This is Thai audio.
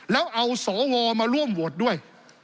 แล้วเอาสวมาร่วมโหวตด้วย